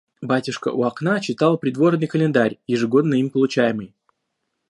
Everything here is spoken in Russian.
Батюшка у окна читал Придворный календарь, ежегодно им получаемый.